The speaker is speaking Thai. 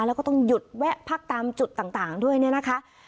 แล้วก็ต้องหยุดแวะพักตามจุดต่างด้วยเนี่ยนะคะ